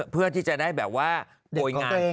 เพื่อที่จะได้แบบว่าโบยงาน